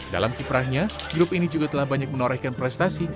dalam kiprahnya grup ini juga telah banyak menorehkan prestasi